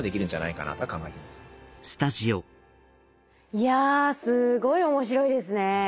いやすごい面白いですね。